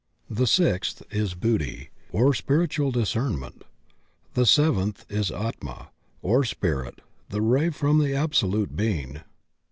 The sixth is Buddhi, or spiritual discernment; the seventh is Atma, or Spirit, the ray from the Absolute Being.